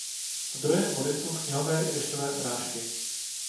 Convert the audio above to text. Zdrojem vody jsou sněhové i dešťové srážky.